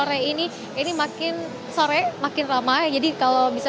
sore ini ini makin sore makin ramai jadi kalau bisa